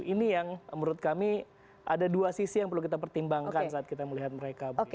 ini yang menurut kami ada dua sisi yang perlu kita pertimbangkan saat kita melihat mereka